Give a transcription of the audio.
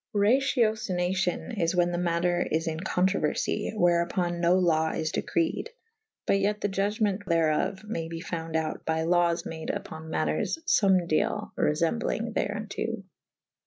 Raciocinacion is whan the mater is in controuerfy / wherupon no law is decreed / but yet the iugement therof may be fou«de out by lawes made vpon maters fomdele refemblynge thereunto.